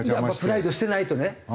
プライド捨てないとね。